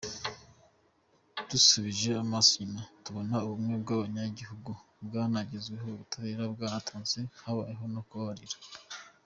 Dusubije amaso inyuma, tubona ubumwe bw’abanyagihugu bwaragezweho, ubutabera bwaratanzwe, habayeho no kubabarira.”